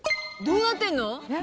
どうなってんの？